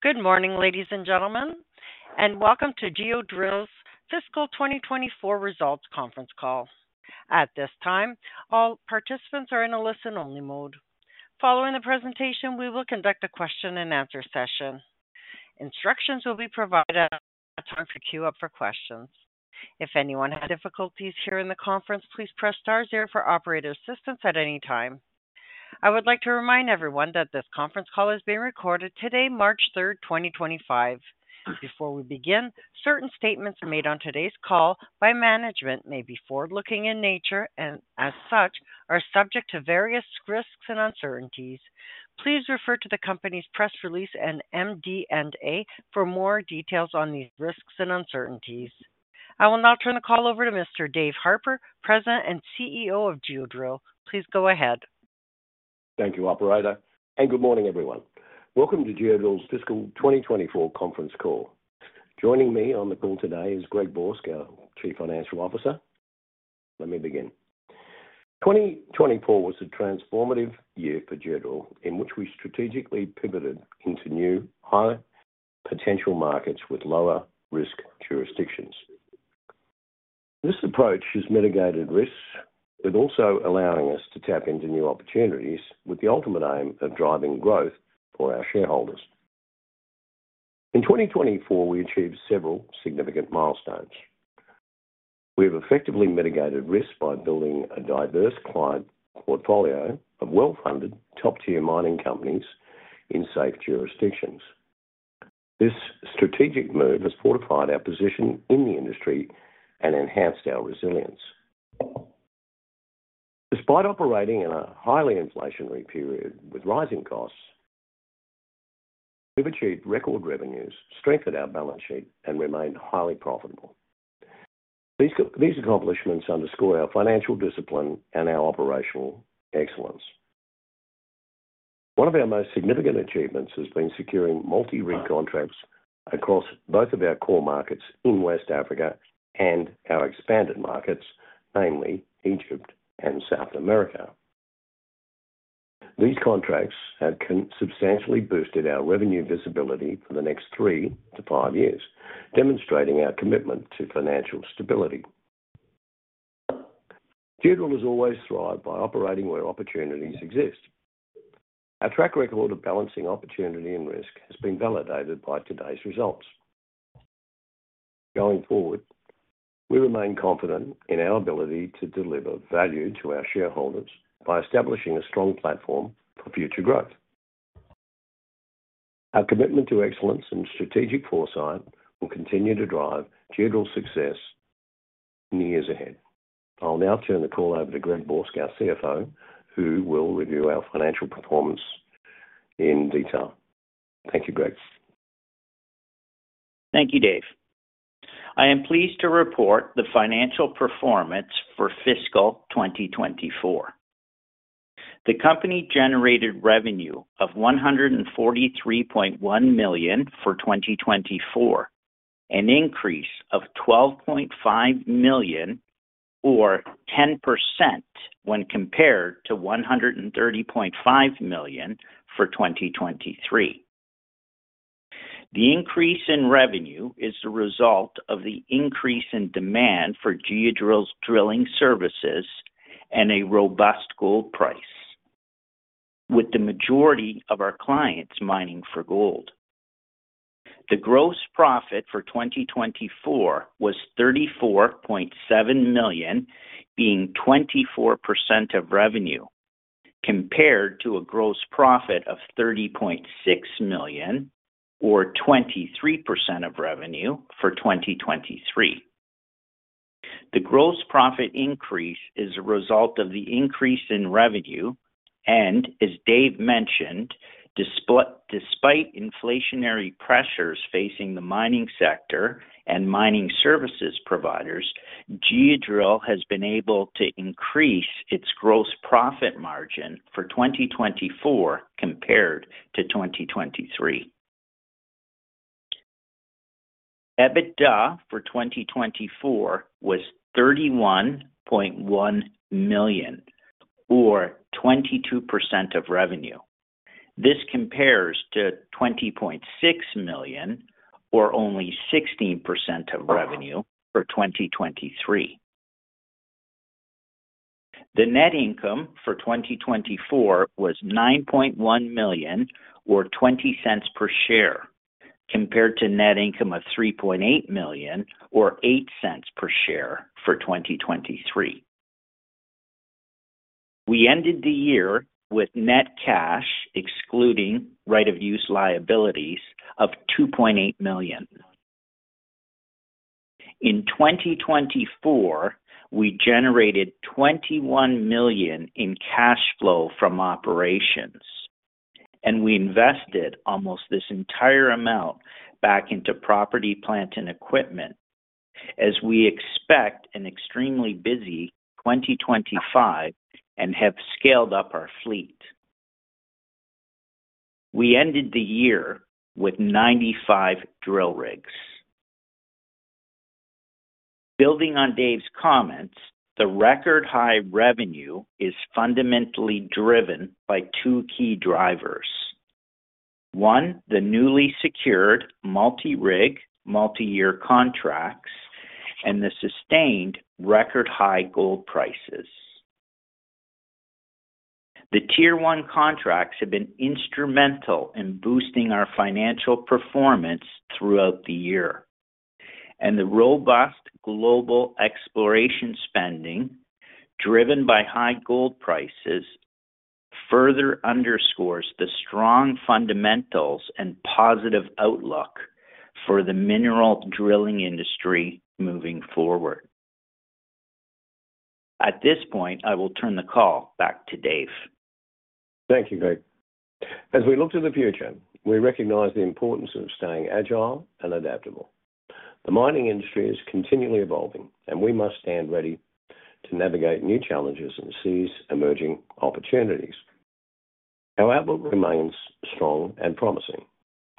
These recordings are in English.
Good morning, ladies and gentlemen, and welcome to Geodrill's Fiscal 2024 Results Conference Call. At this time, all participants are in a listen-only mode. Following the presentation, we will conduct a question-and-answer session. Instructions will be provided at a time for queue-up for questions. If anyone has difficulties hearing the conference, please press star zero for operator assistance at any time. I would like to remind everyone that this conference call is being recorded today, March 3rd, 2025. Before we begin, certain statements made on today's call by management may be forward-looking in nature and, as such, are subject to various risks and uncertainties. Please refer to the company's press release and MD&A for more details on these risks and uncertainties. I will now turn the call over to Mr. Dave Harper, President and CEO of Geodrill. Please go ahead. Thank you, Operator, and good morning, everyone. Welcome to Geodrill's Fiscal 2024 Conference Call. Joining me on the call today is Greg Borsk, our Chief Financial Officer. Let me begin. 2024 was a transformative year for Geodrill, in which we strategically pivoted into new, high-potential markets with lower-risk jurisdictions. This approach has mitigated risks while also allowing us to tap into new opportunities, with the ultimate aim of driving growth for our shareholders. In 2024, we achieved several significant milestones. We have effectively mitigated risks by building a diverse client portfolio of well-funded, top-tier mining companies in safe jurisdictions. This strategic move has fortified our position in the industry and enhanced our resilience. Despite operating in a highly inflationary period with rising costs, we've achieved record revenues, strengthened our balance sheet, and remained highly profitable. These accomplishments underscore our financial discipline and our operational excellence. One of our most significant achievements has been securing multi-rig contracts across both of our core markets in West Africa and our expanded markets, namely Egypt and South America. These contracts have substantially boosted our revenue visibility for the next three to five years, demonstrating our commitment to financial stability. Geodrill has always thrived by operating where opportunities exist. Our track record of balancing opportunity and risk has been validated by today's results. Going forward, we remain confident in our ability to deliver value to our shareholders by establishing a strong platform for future growth. Our commitment to excellence and strategic foresight will continue to drive Geodrill's success in the years ahead. I'll now turn the call over to Greg Borsk, our CFO, who will review our financial performance in detail. Thank you, Greg. Thank you, Dave. I am pleased to report the financial performance for Fiscal 2024. The company generated revenue of $143.1 million for 2024, an increase of $12.5 million, or 10% when compared to $130.5 million for 2023. The increase in revenue is the result of the increase in demand for Geodrill's drilling services and a robust gold price, with the majority of our clients mining for gold. The gross profit for 2024 was $34.7 million, being 24% of revenue, compared to a gross profit of $30.6 million, or 23% of revenue for 2023. The gross profit increase is a result of the increase in revenue and, as Dave mentioned, despite inflationary pressures facing the mining sector and mining services providers, Geodrill has been able to increase its gross profit margin for 2024 compared to 2023. EBITDA for 2024 was $31.1 million, or 22% of revenue. This compares to $20.6 million, or only 16% of revenue, for 2023. The net income for 2024 was $9.1 million, or $0.20 per share, compared to net income of $3.8 million, or $0.08 per share, for 2023. We ended the year with net cash, excluding right-of-use liabilities, of $2.8 million. In 2024, we generated $21 million in cash flow from operations, and we invested almost this entire amount back into property, plant, and equipment, as we expect an extremely busy 2025 and have scaled up our fleet. We ended the year with 95 drill rigs. Building on Dave's comments, the record-high revenue is fundamentally driven by two key drivers: one, the newly secured multi-rig, multi-year contracts, and the sustained record-high gold prices. The tier-one contracts have been instrumental in boosting our financial performance throughout the year, and the robust global exploration spending, driven by high gold prices, further underscores the strong fundamentals and positive outlook for the mineral drilling industry moving forward. At this point, I will turn the call back to Dave. Thank you, Greg. As we look to the future, we recognize the importance of staying agile and adaptable. The mining industry is continually evolving, and we must stand ready to navigate new challenges and seize emerging opportunities. Our outlook remains strong and promising.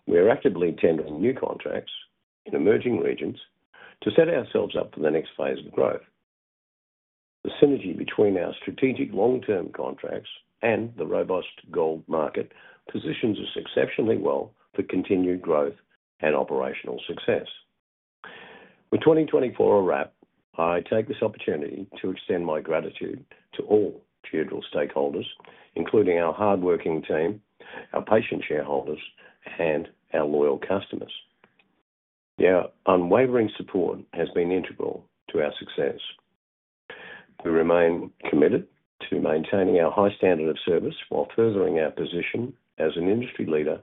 We are actively tendering new contracts in emerging regions to set ourselves up for the next phase of growth. The synergy between our strategic long-term contracts and the robust gold market positions us exceptionally well for continued growth and operational success. With 2024 a wrap, I take this opportunity to extend my gratitude to all Geodrill stakeholders, including our hardworking team, our patient shareholders, and our loyal customers. Their unwavering support has been integral to our success. We remain committed to maintaining our high standard of service while furthering our position as an industry leader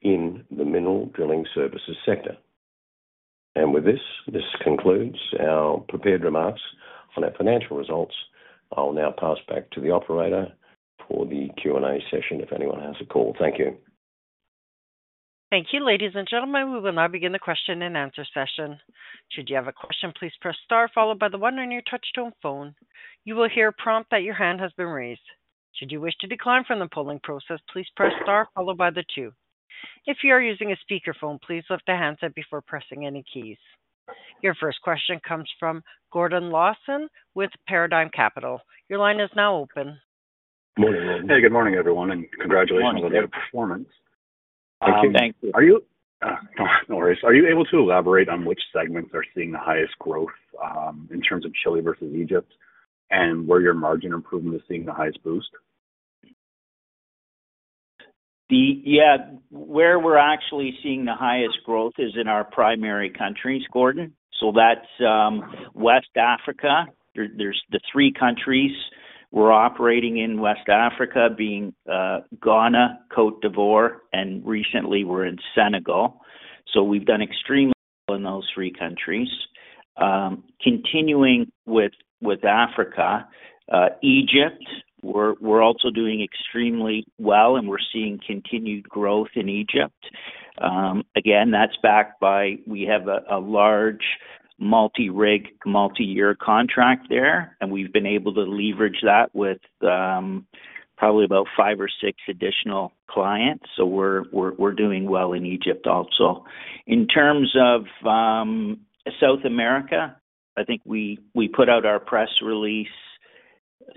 in the mineral drilling services sector. This concludes our prepared remarks on our financial results. I'll now pass back to the Operator for the Q&A session if anyone has a call. Thank you. Thank you, ladies and gentlemen. We will now begin the question-and-answer session. Should you have a question, please press star, followed by the one on your touch-tone phone. You will hear a prompt that your hand has been raised. Should you wish to decline from the polling process, please press star, followed by the two. If you are using a speakerphone, please lift the handset before pressing any keys. Your first question comes from Gordon Lawson with Paradigm Capital. Your line is now open. Morning. Hey, good morning, everyone, and congratulations on your performance. Thank you. Are you, no, no worries. Are you able to elaborate on which segments are seeing the highest growth in terms of Chile versus Egypt, and where your margin improvement is seeing the highest boost? Yeah. Where we're actually seeing the highest growth is in our primary countries, Gordon. That's West Africa. There's the three countries we're operating in West Africa, being Ghana, Côte d'Ivoire, and recently we're in Senegal. We've done extremely well in those three countries. Continuing with Africa, Egypt, we're also doing extremely well, and we're seeing continued growth in Egypt. Again, that's backed by we have a large multi-rig, multi-year contract there, and we've been able to leverage that with probably about five or six additional clients. We're doing well in Egypt also. In terms of South America, I think we put out our press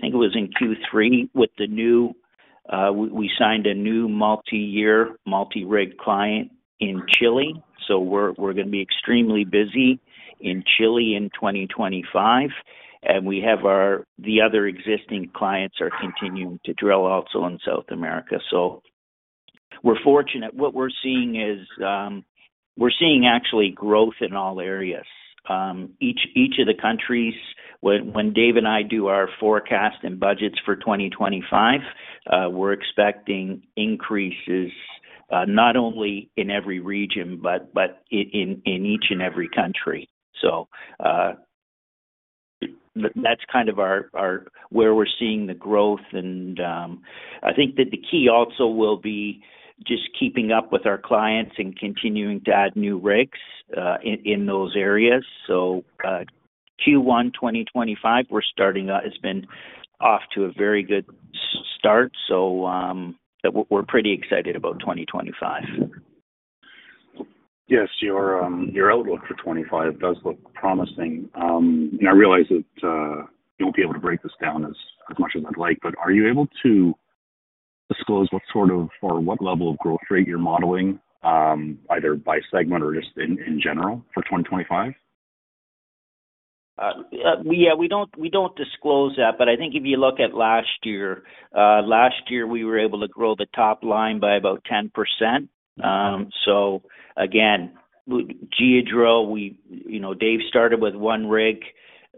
release—I think it was in Q3—with the new—we signed a new multi-year, multi-rig client in Chile. We're going to be extremely busy in Chile in 2025, and we have our—the other existing clients are continuing to drill also in South America. We're fortunate. What we're seeing is we're seeing actually growth in all areas. Each of the countries, when Dave and I do our forecast and budgets for 2025, we're expecting increases not only in every region, but in each and every country. That's kind of where we're seeing the growth. I think that the key also will be just keeping up with our clients and continuing to add new rigs in those areas. Q1 2025, we're starting out—it's been off to a very good start. We're pretty excited about 2025. Yes, your outlook for 2025 does look promising. I realize that you won't be able to break this down as much as I'd like, but are you able to disclose what sort of or what level of growth rate you're modeling, either by segment or just in general for 2025? Yeah, we don't disclose that, but I think if you look at last year, last year we were able to grow the top line by about 10%. Geodrill, Dave started with one rig,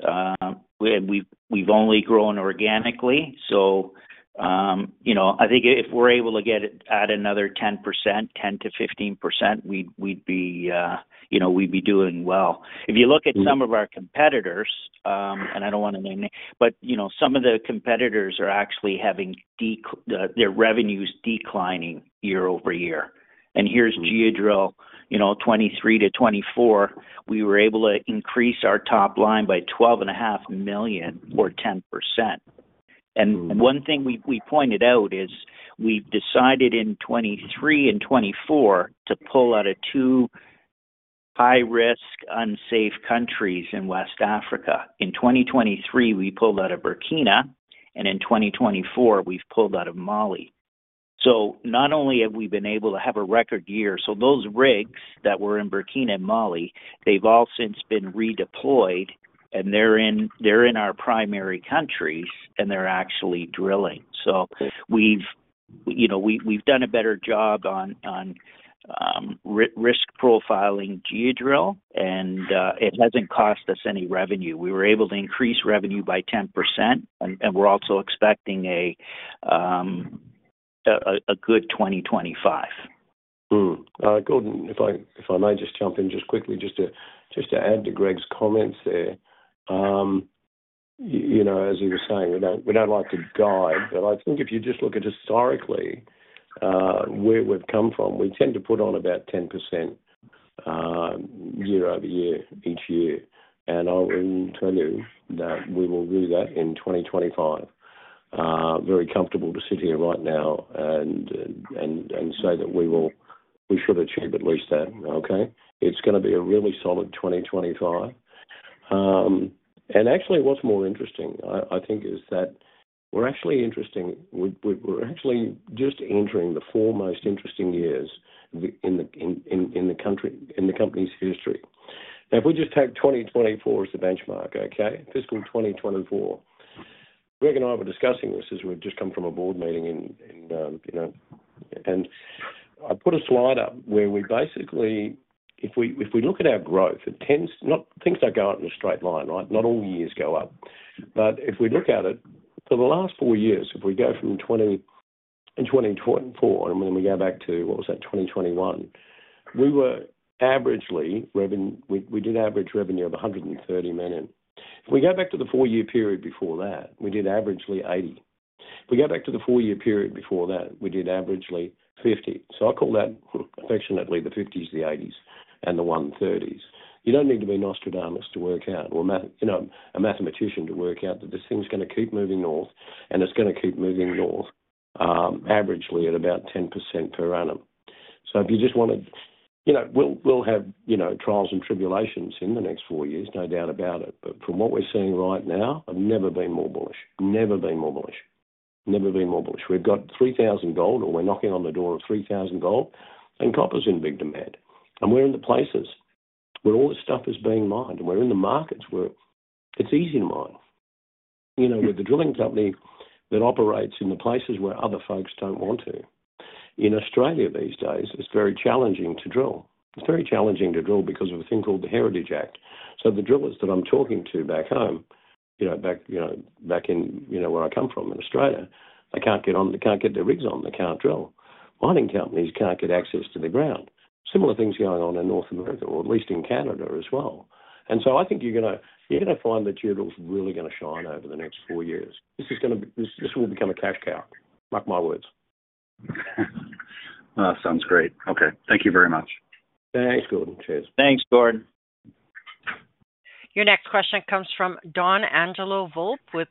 and we've only grown organically. I think if we're able to get it at another 10%-15%, we'd be doing well. If you look at some of our competitors—I don't want to name names—some of the competitors are actually having their revenues declining year over year. Here's Geodrill. 2023 to 2024, we were able to increase our top line by $12.5 million, or 10%. One thing we pointed out is we've decided in 2023 and 2024 to pull out of two high-risk, unsafe countries in West Africa. In 2023, we pulled out of Burkina Faso, and in 2024, we've pulled out of Mali. Not only have we been able to have a record year, those rigs that were in Burkina Faso and Mali, they've all since been redeployed, and they're in our primary countries, and they're actually drilling. We've done a better job on risk profiling Geodrill, and it hasn't cost us any revenue. We were able to increase revenue by 10%, and we're also expecting a good 2025. Gordon, if I may just jump in quickly to add to Greg's comments there. As he was saying, we do not like to guide, but I think if you just look at historically where we have come from, we tend to put on about 10% year over year each year. I will tell you that we will do that in 2025. Very comfortable to sit here right now and say that we should achieve at least that, okay? It is going to be a really solid 2025. Actually, what is more interesting, I think, is that we are actually just entering the four most interesting years in the company's history. Now, if we just take 2024 as the benchmark, okay, fiscal 2024, Greg and I were discussing this as we have just come from a board meeting in—and I put a slide up where we basically—if we look at our growth, it tends—not things do not go out in a straight line, right? Not all years go up. If we look at it, for the last four years, if we go from 2024, and then we go back to, what was that, 2021, we were averagely—we did average revenue of $130 million. If we go back to the four-year period before that, we did averagely $80 million. If we go back to the four-year period before that, we did averagely $50 million. I call that affectionately the '50s, the '80s, and the '130s. You don't need to be an astronomer to work out, or a mathematician to work out that this thing's going to keep moving north, and it's going to keep moving north averagely at about 10% per annum. If you just want to—we'll have trials and tribulations in the next four years, no doubt about it. From what we're seeing right now, I've never been more bullish. Never been more bullish. Never been more bullish. We've got $3,000 gold, or we're knocking on the door of $3,000 gold, and copper's in big demand. We're in the places where all this stuff is being mined, and we're in the markets where it's easy to mine. We're the drilling company that operates in the places where other folks don't want to. In Australia these days, it's very challenging to drill. It's very challenging to drill because of a thing called the Heritage Act. The drillers that I'm talking to back home, back in where I come from in Australia, they can't get on—they can't get their rigs on. They can't drill. Mining companies can't get access to the ground. Similar things going on in North America, or at least in Canada as well. I think you're going to find that Geodrill's really going to shine over the next four years. This is going to—this will become a cash cow. Mark my words. Sounds great. Okay. Thank you very much. Thanks, Gordon. Cheers. Thanks, Gordon. Your next question comes from Donangelo Volpe with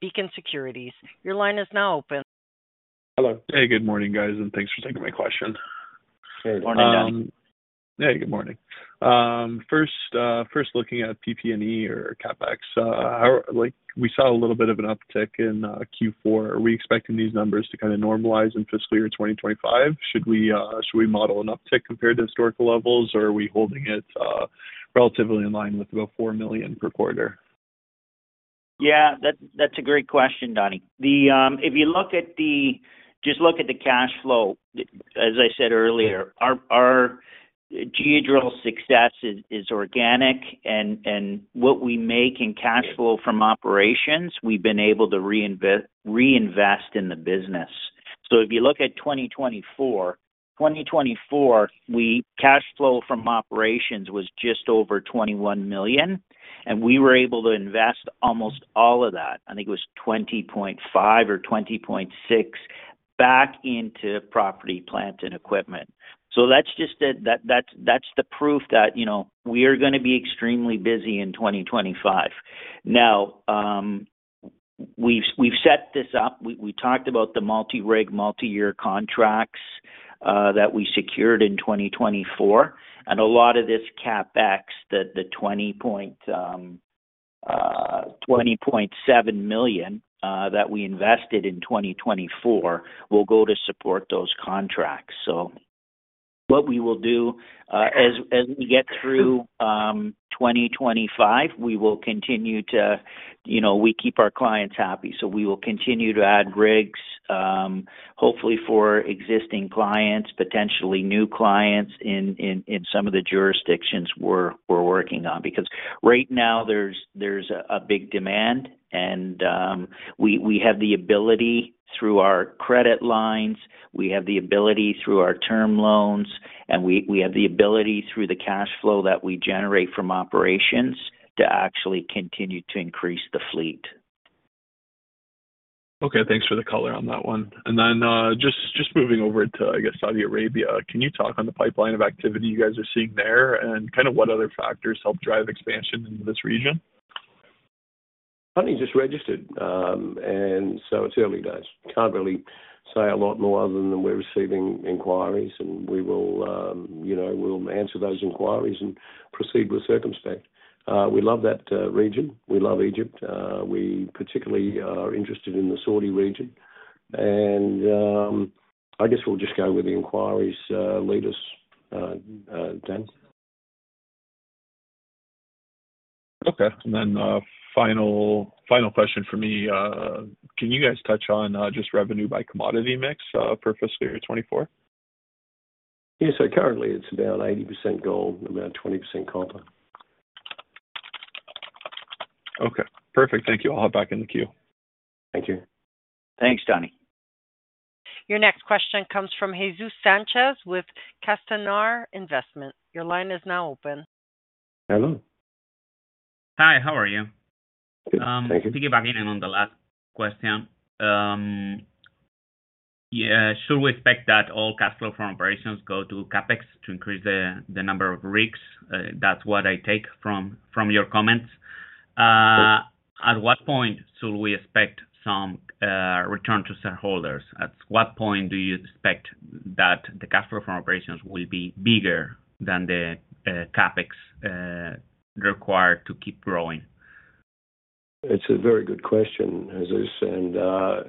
Beacon Securities. Your line is now open. Hello. Hey, good morning, guys, and thanks for taking my question. Hey, good morning, Donangelo. Hey, good morning. First, looking at PP&E or CapEx, we saw a little bit of an uptick in Q4. Are we expecting these numbers to kind of normalize in fiscal year 2025? Should we model an uptick compared to historical levels, or are we holding it relatively in line with about $4 million per quarter? Yeah, that's a great question, Donny. If you look at the—just look at the cash flow, as I said earlier, our Geodrill success is organic, and what we make in cash flow from operations, we've been able to reinvest in the business. If you look at 2024, 2024, cash flow from operations was just over $21 million, and we were able to invest almost all of that. I think it was $20.5 million or $20.6 million back into property, plant, and equipment. That's just—that's the proof that we are going to be extremely busy in 2025. Now, we've set this up. We talked about the multi-rig, multi-year contracts that we secured in 2024, and a lot of this CapEx, the $20.7 million that we invested in 2024, will go to support those contracts. What we will do as we get through 2025, we will continue to—we keep our clients happy. We will continue to add rigs, hopefully for existing clients, potentially new clients in some of the jurisdictions we're working on. Right now, there's a big demand, and we have the ability through our credit lines, we have the ability through our term loans, and we have the ability through the cash flow that we generate from operations to actually continue to increase the fleet. Okay. Thanks for the color on that one. Just moving over to, I guess, Saudi Arabia, can you talk on the pipeline of activity you guys are seeing there and kind of what other factors help drive expansion into this region? I think just registered, and so too, he does. Can't really say a lot more other than we're receiving inquiries, and we will answer those inquiries and proceed with circumspect. We love that region. We love Egypt. We particularly are interested in the Saudi region. I guess we'll just go with the inquiries. Lead us, Don. Okay. Final question for me. Can you guys touch on just revenue by commodity mix for fiscal year 2024? Yeah. Currently, it's about 80% gold, about 20% copper. Okay. Perfect. Thank you. I'll hop back in the queue. Thank you. Thanks, Donny. Your next question comes from Jesus Sanchez with Castañar Investment. Your line is now open. Hello. Hi. How are you? Good. Thank you. To give a hand on the last question, should we expect that all cash flow from operations go to CapEx to increase the number of rigs? That's what I take from your comments. At what point should we expect some return to shareholders? At what point do you expect that the cash flow from operations will be bigger than the CapEx required to keep growing? It's a very good question, Jesus. I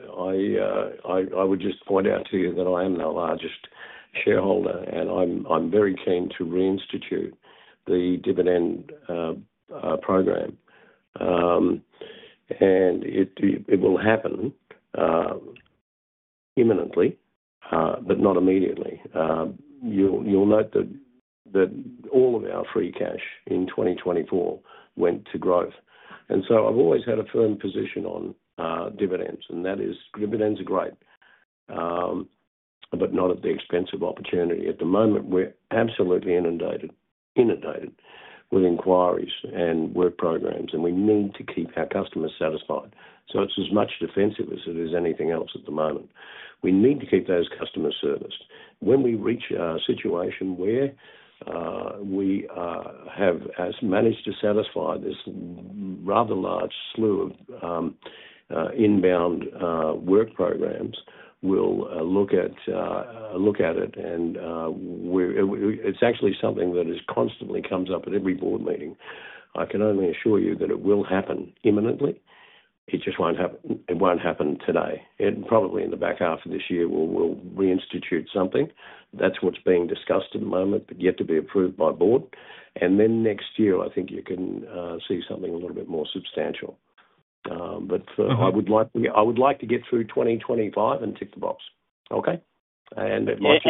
would just point out to you that I am the largest shareholder, and I'm very keen to reinstitute the dividend program. It will happen imminently, but not immediately. You'll note that all of our free cash in 2024 went to growth. I've always had a firm position on dividends, and dividends are great, but not at the expense of opportunity. At the moment, we're absolutely inundated with inquiries and work programs, and we need to keep our customers satisfied. It's as much defensive as it is anything else at the moment. We need to keep those customers serviced. When we reach a situation where we have managed to satisfy this rather large slew of inbound work programs, we'll look at it. It's actually something that constantly comes up at every board meeting. I can only assure you that it will happen imminently. It just will not happen today. Probably in the back half of this year, we will reinstitute something. That is what is being discussed at the moment, but yet to be approved by board. Next year, I think you can see something a little bit more substantial. I would like to get through 2025 and tick the box, okay? It might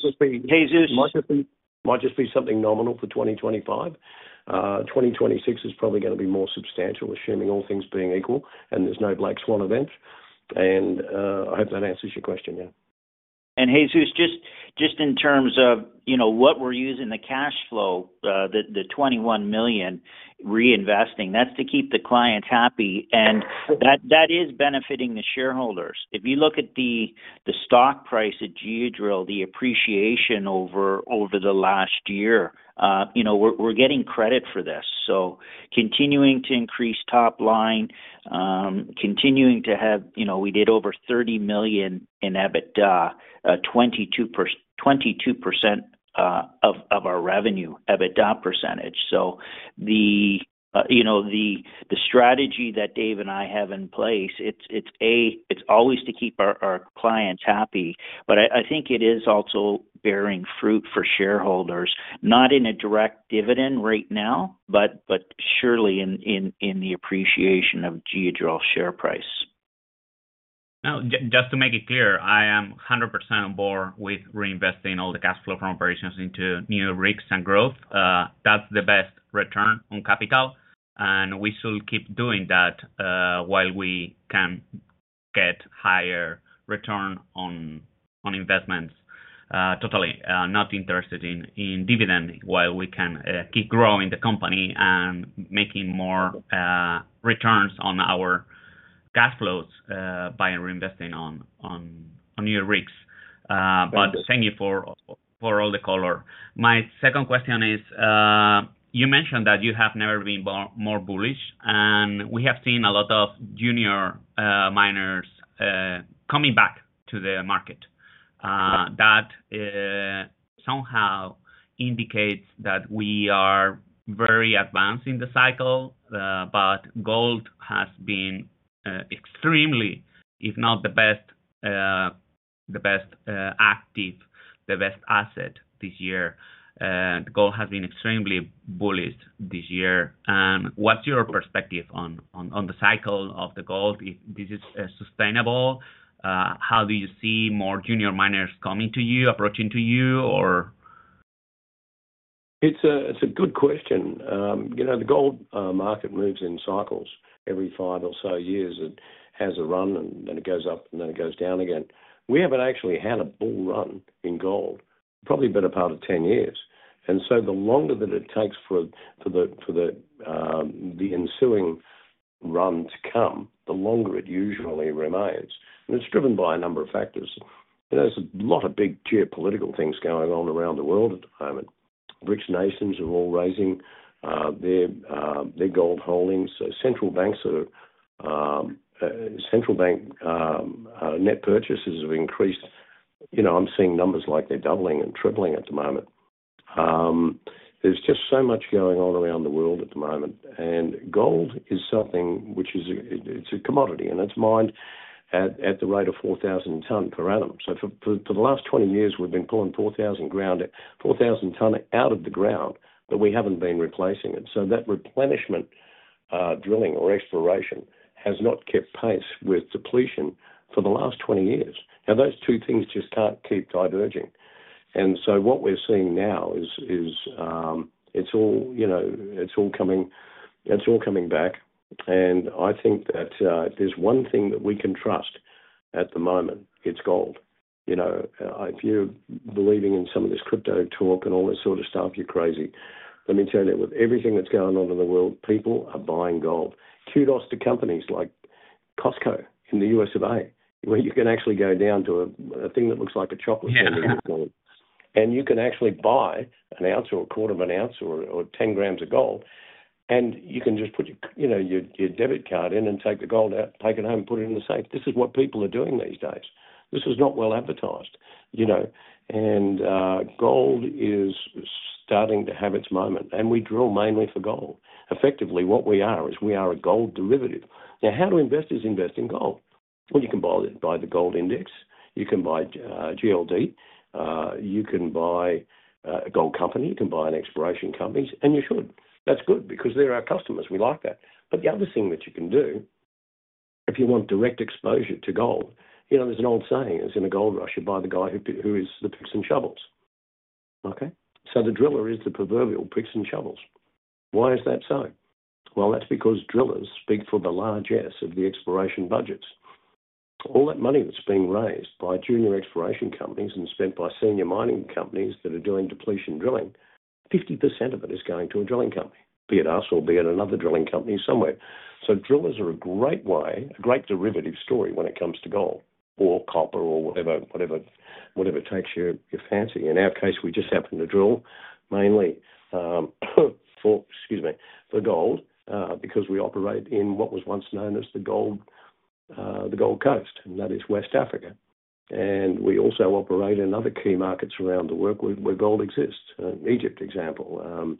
just be something— Jesus. It might just be something nominal for 2025. 2026 is probably going to be more substantial, assuming all things being equal and there's no black swan event. I hope that answers your question, yeah. Jesus, just in terms of what we are using the cash flow, the $21 million reinvesting, that is to keep the clients happy, and that is benefiting the shareholders. If you look at the stock price at Geodrill, the appreciation over the last year, we are getting credit for this. Continuing to increase top line, continuing to have—we did over $30 million in EBITDA, 22% of our revenue, EBITDA percentage. The strategy that Dave and I have in place, it is A, it is always to keep our clients happy, but I think it is also bearing fruit for shareholders, not in a direct dividend right now, but surely in the appreciation of Geodrill's share price. Now, just to make it clear, I am 100% on board with reinvesting all the cash flow from operations into new rigs and growth. That's the best return on capital, and we should keep doing that while we can get higher return on investments. Totally not interested in dividend while we can keep growing the company and making more returns on our cash flows by reinvesting on new rigs. Thank you for all the color. My second question is, you mentioned that you have never been more bullish, and we have seen a lot of junior miners coming back to the market. That somehow indicates that we are very advanced in the cycle, but gold has been extremely, if not the best active, the best asset this year. Gold has been extremely bullish this year. What's your perspective on the cycle of the gold? If this is sustainable, how do you see more junior miners coming to you, approaching you, or? It's a good question. The gold market moves in cycles every five or so years. It has a run, and then it goes up, and then it goes down again. We haven't actually had a bull run in gold, probably a better part of 10 years. The longer that it takes for the ensuing run to come, the longer it usually remains. It's driven by a number of factors. There's a lot of big geopolitical things going on around the world at the moment. Rich nations are all raising their gold holdings. Central bank net purchases have increased. I'm seeing numbers like they're doubling and tripling at the moment. There's just so much going on around the world at the moment. Gold is something which is a commodity, and it's mined at the rate of 4,000 tonnes per annum. For the last 20 years, we've been pulling 4,000 tonnes out of the ground, but we haven't been replacing it. That replenishment drilling or exploration has not kept pace with depletion for the last 20 years. Now, those two things just can't keep diverging. What we're seeing now is it's all coming back. I think that there's one thing that we can trust at the moment. It's gold. If you're believing in some of this crypto talk and all this sort of stuff, you're crazy. Let me tell you, with everything that's going on in the world, people are buying gold. Kudos to companies like Costco in the U.S., where you can actually go down to a thing that looks like a chocolate shingle that's gold. You can actually buy an ounce or a quarter of an ounce or 10 grams of gold, and you can just put your debit card in and take the gold out, take it home, and put it in the safe. This is what people are doing these days. This is not well advertised. Gold is starting to have its moment. We drill mainly for gold. Effectively, what we are is we are a gold derivative. Now, how do investors invest in gold? You can buy the gold index. You can buy GLD. You can buy a gold company. You can buy an exploration company, and you should. That is good because they are our customers. We like that. The other thing that you can do, if you want direct exposure to gold, there is an old saying. It is in a gold rush. You buy the guy who is the picks and shovels. Okay? The driller is the proverbial picks and shovels. Why is that so? That's because drillers speak for the largess of the exploration budgets. All that money that's being raised by junior exploration companies and spent by senior mining companies that are doing depletion drilling, 50% of it is going to a drilling company, be it us or be it another drilling company somewhere. Drillers are a great way, a great derivative story when it comes to gold or copper or whatever takes your fancy. In our case, we just happen to drill mainly for—excuse me—for gold because we operate in what was once known as the Gold Coast, and that is West Africa. We also operate in other key markets around the world where gold exists, Egypt, example.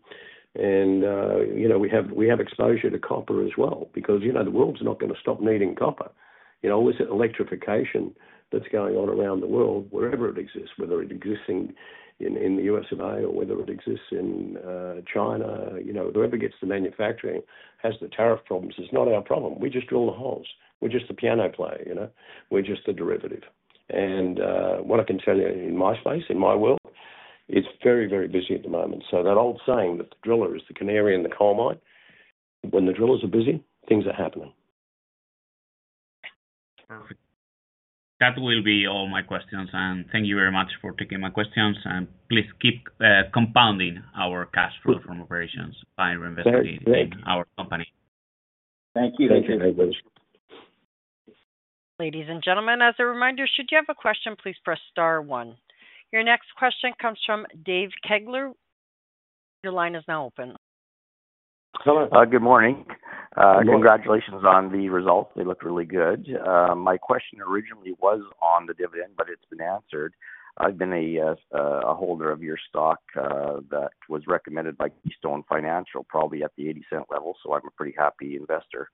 We have exposure to copper as well because the world's not going to stop needing copper. It's electrification that's going on around the world wherever it exists, whether it exists in the U.S. of A or whether it exists in China. Whoever gets the manufacturing has the tariff problems. It's not our problem. We just drill the holes. We're just the piano player. We're just the derivative. What I can tell you in my space, in my world, it's very, very busy at the moment. That old saying that the driller is the canary in the coal mine, when the drillers are busy, things are happening. Perfect. That will be all my questions. Thank you very much for taking my questions. Please keep compounding our cash flow from operations by reinvesting in our company. Thank you. Thank you. Thank you, David. Ladies and gentlemen, as a reminder, should you have a question, please press star one. Your next question comes from Dave Kegler. Your line is now open. Hello. Good morning. Congratulations on the results. They look really good. My question originally was on the dividend, but it's been answered. I've been a holder of your stock that was recommended by KeyStone Financial, probably at the $0.80 level, so I'm a pretty happy investor.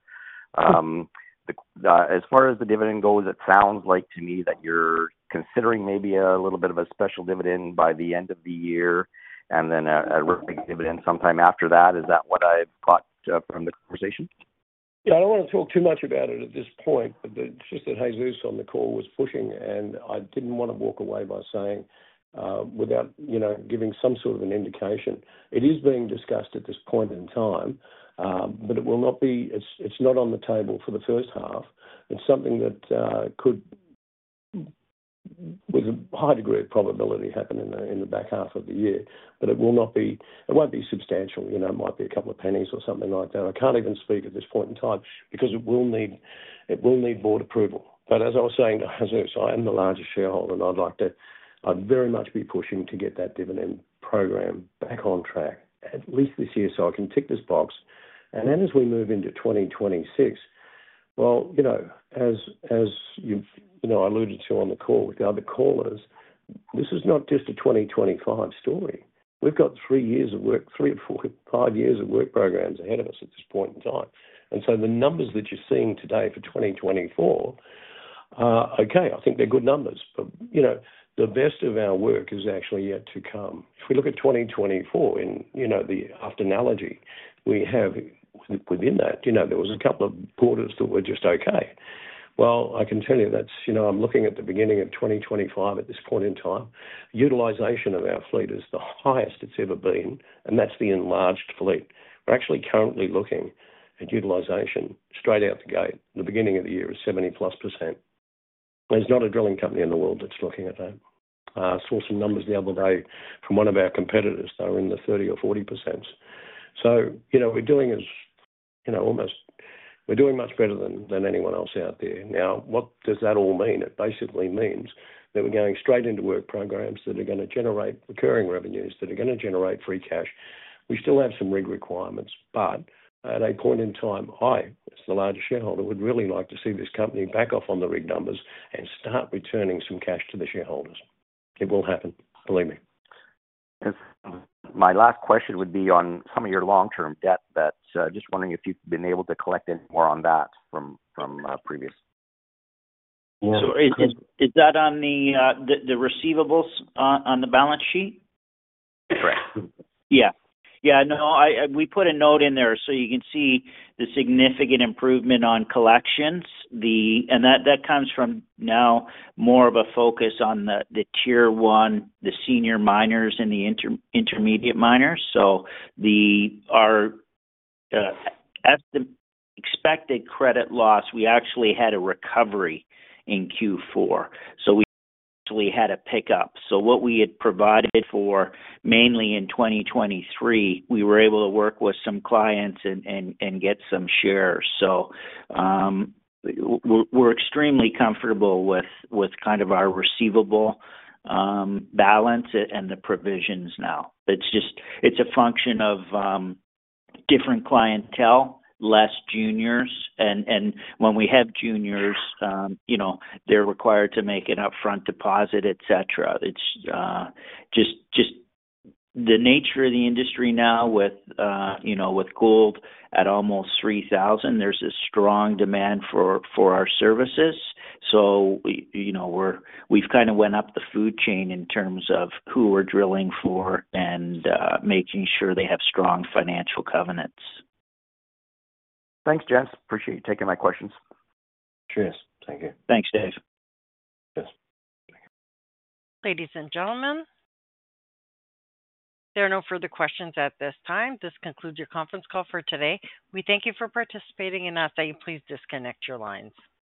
As far as the dividend goes, it sounds like to me that you're considering maybe a little bit of a special dividend by the end of the year and then a repeat dividend sometime after that. Is that what I've caught from the conversation? Yeah. I do not want to talk too much about it at this point, but it is just that Jesus on the call was pushing, and I did not want to walk away by saying without giving some sort of an indication. It is being discussed at this point in time, but it will not be—it is not on the table for the first half. It is something that could, with a high degree of probability, happen in the back half of the year, but it will not be—it will not be substantial. It might be a couple of pennies or something like that. I cannot even speak at this point in time because it will need board approval. As I was saying, Jesus, I am the largest shareholder, and I would like to—I would very much be pushing to get that dividend program back on track, at least this year, so I can tick this box. As we move into 2026, as I alluded to on the call with the other callers, this is not just a 2025 story. We have three years of work, three or four, five years of work programs ahead of us at this point in time. The numbers that you are seeing today for 2024, I think they are good numbers, but the best of our work is actually yet to come. If we look at 2024 in the after analogy, we have within that, there was a couple of quarters that were just okay. I can tell you that I am looking at the beginning of 2025 at this point in time. Utilization of our fleet is the highest it has ever been, and that is the enlarged fleet. We are actually currently looking at utilization straight out the gate. The beginning of the year is 70-plus %. There's not a drilling company in the world that's looking at that. I saw some numbers the other day from one of our competitors. They're in the 30% or 40%. We're doing as almost—we're doing much better than anyone else out there. Now, what does that all mean? It basically means that we're going straight into work programs that are going to generate recurring revenues, that are going to generate free cash. We still have some rig requirements, but at a point in time, I, as the largest shareholder, would really like to see this company back off on the rig numbers and start returning some cash to the shareholders. It will happen, believe me. Yes. My last question would be on some of your long-term debt. Just wondering if you've been able to collect any more on that from previous. Is that on the receivables on the balance sheet? Correct. Yeah. Yeah. No, we put a note in there so you can see the significant improvement on collections. That comes from now more of a focus on the tier one, the senior miners, and the intermediate miners. Our expected credit loss, we actually had a recovery in Q4. We actually had a pickup. What we had provided for mainly in 2023, we were able to work with some clients and get some shares. We are extremely comfortable with kind of our receivable balance and the provisions now. It is a function of different clientele, less juniors. When we have juniors, they are required to make an upfront deposit, etc. It is just the nature of the industry now with gold at almost $3,000, there is a strong demand for our services. We've kind of went up the food chain in terms of who we're drilling for and making sure they have strong financial covenants. Thanks, Gents. Appreciate you taking my questions. Cheers. Thank you. Thanks, Dave. Cheers. Ladies and gentlemen, there are no further questions at this time. This concludes your conference call for today. We thank you for participating and ask that you please disconnect your lines.